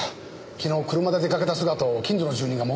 昨日車で出かけた姿を近所の住人が目撃してます。